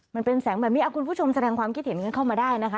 มันเป็นแสงแบบนี้คุณผู้ชมแสดงความคิดเห็นกันเข้ามาได้นะคะ